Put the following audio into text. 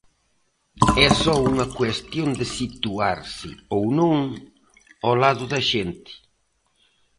É só unha cuestión de situarse, ou non, ao lado da xente.